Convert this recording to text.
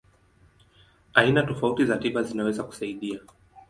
Aina tofauti za tiba zinaweza kusaidia.